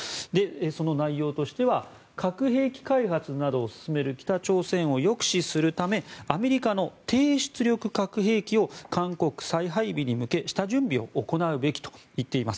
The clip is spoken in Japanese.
その内容としては核兵器開発などを進める北朝鮮を抑止するためアメリカの低出力核兵器を韓国再配備に向け下準備を行うべきと言っています。